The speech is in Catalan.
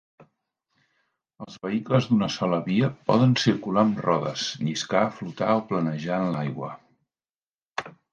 Els vehicles d'una sola via poden circular amb rodes, lliscar, flotar o planejar en l'aigua.